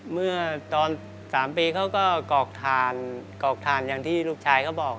เมื่อตอน๓ปีเขาก็กรอกถ่านกรอกถ่านอย่างที่ลูกชายเขาบอก